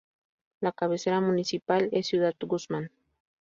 La cabecera municipal es Ciudad Guzmán.